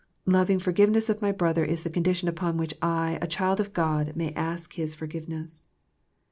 Loving forgiveness of my brother is the condition upon which I, a child of God, may ask His forgiveness.